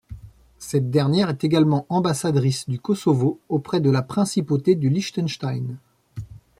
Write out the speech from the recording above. Cette dernière est également ambassadrice du Kosovo auprès de la Principauté du Liechtenstein.